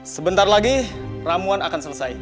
sebentar lagi ramuan akan selesai